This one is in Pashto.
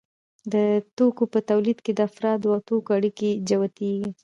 د توکو په تولید کې د افرادو او توکو اړیکې جوتېږي